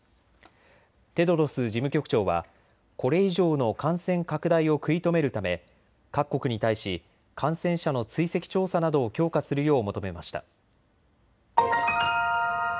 テドロス事務局長はこれ以上の感染拡大を食い止めるため各国に対し感染者の追跡調査などを強化するよう求めました。